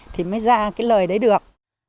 thì mới ra cái lời đấy được